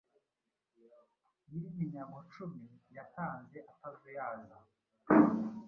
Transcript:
Nyiriminyago cumi, yatanze atazuyaza